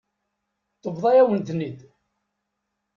Tebḍa-yawen-ten-id.